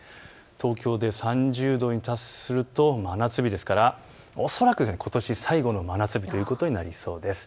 東京で３０度に達すると真夏日ですから恐らくことし最後の真夏日ということになりそうです。